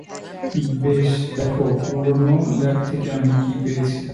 বেশ, দেখো পুরনো ল্যাব থেকে আমি কী পেয়েছি।